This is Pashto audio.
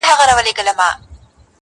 شمعي ته څه مه وایه!!.